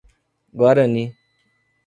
Guarani